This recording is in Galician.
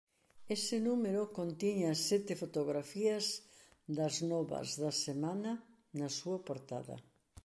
Ese número contiña sete fotografías das novas da semana na súa portada.